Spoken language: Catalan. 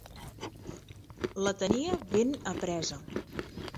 La tenia ben apresa.